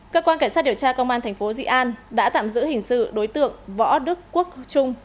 cơ quan cảnh sát điều tra công an thành phố dị an đã tạm giữ hình sự đối tượng võ đức quốc trung